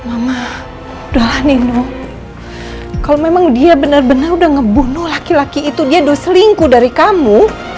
mama udah nino kalau memang dia benar benar udah ngebunuh laki laki itu dia dua selingkuh dari kamu